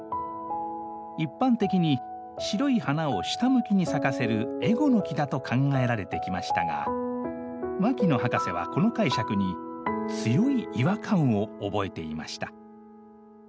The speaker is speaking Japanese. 一般的に白い花を下向きに咲かせるエゴノキだと考えられてきましたが牧野博士はこの解釈に強い違和感を覚えていました。